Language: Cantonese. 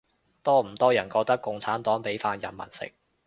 多唔多人覺得共產黨畀飯人民食